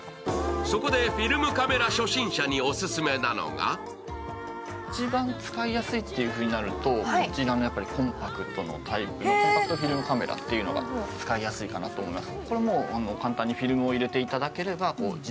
そこでフィルムカメラ初心者にオススメなのが一番使いやすいとなると、こちらのコンパクトのタイプのコンパクトフィルムカメラっていうのが使いやすいかなと思います。